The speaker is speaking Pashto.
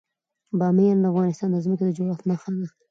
بامیان د افغانستان د ځمکې د جوړښت نښه ده.